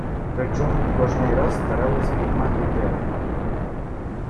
Причому кожний раз старались піймати Тереня.